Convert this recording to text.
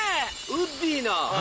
ウッディーな。